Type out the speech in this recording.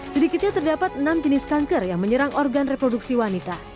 sedikitnya terdapat enam jenis kanker yang menyerang organ reproduksi wanita